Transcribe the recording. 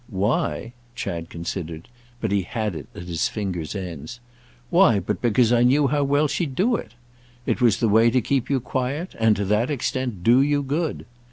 "'Why'?" Chad considered, but he had it at his fingers' ends. "Why but because I knew how well she'd do it? It was the way to keep you quiet and, to that extent, do you good.